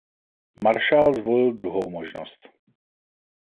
Maršál zvolil druhou možnost.